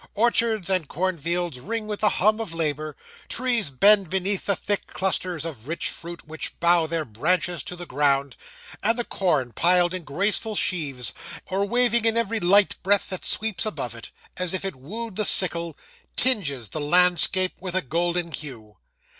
Orchards and cornfields ring with the hum of labour; trees bend beneath the thick clusters of rich fruit which bow their branches to the ground; and the corn, piled in graceful sheaves, or waving in every light breath that sweeps above it, as if it wooed the sickle, tinges the landscape with a golden hue.